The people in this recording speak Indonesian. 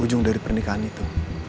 ujung dari pernikahan itu